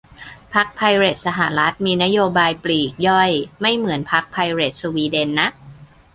พรรคไพเรตสหรัฐมีนโยบายปลีกย่อยไม่เหมือนพรรคไพเรตสวีเดนนะ